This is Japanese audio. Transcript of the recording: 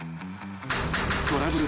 ［トラブル